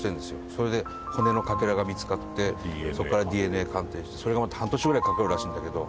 それで、骨の欠片が見付かってそこからＤＮＡ鑑定してそれがまた、半年ぐらいかかるらしいんだけど。